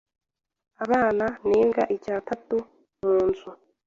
abana n’imbwa icyatatu mu nzu